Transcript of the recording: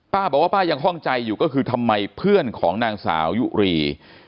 ป้าบอกว่าป้ายังคล่องใจอยู่ก็คือทำไมเพื่อนของนางสาวยุรี